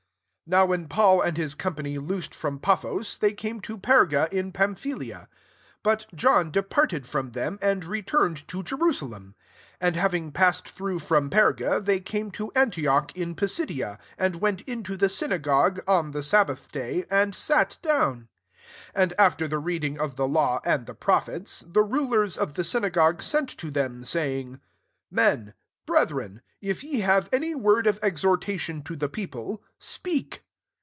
13 NOW when Paul and his company loosed from Paphos, they came to Per^ in Pamphy lia. But John departed from them, and returned to Jerusa* lem. 14 And having passed through from Perga, they came to Antioch in Pistdia ; and went into the synagogue, on the sab« btith day, and sat down. 15 And aflei* the reading of the law and the prophets, the rulers of the synagogue sent to them, saying, «*Men, brethren, if ye have any word of exhortation to the people, speak."